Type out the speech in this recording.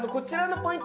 ポイント